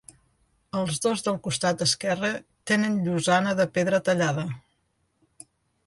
Els dos del costat esquerre tenen llosana de pedra tallada.